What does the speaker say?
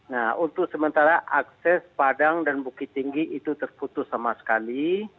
nah untuk sementara akses padang dan bukit tinggi itu terputus sama sekali